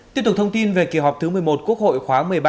tiếp tục thông tin về kỳ họp thứ một mươi một quốc hội khóa một mươi ba